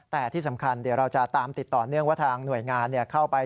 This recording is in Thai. แต่ที่สำคัญเดี๋ยวเราจะตามติดต่อเนื่องว่าทางหน่วยงานเข้าไป